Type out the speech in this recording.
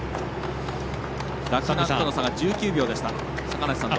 洛南との差が１９秒でした。